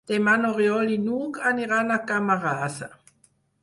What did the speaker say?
Demà n'Oriol i n'Hug aniran a Camarasa.